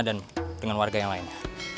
dan dengan warga yang lainnya